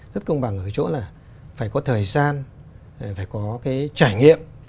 rất công bằng ở chỗ là phải có thời gian phải có cái trải nghiệm